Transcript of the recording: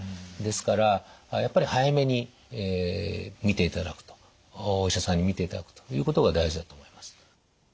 ですからやっぱり早めに診ていただくとお医者さんに診ていただくということが大事だと思います。